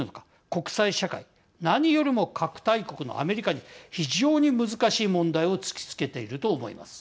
国際社会、何よりも核大国のアメリカに非常に難しい問題を突きつけていると思います。